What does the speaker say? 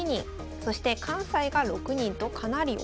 そして関西が６人とかなり多いです。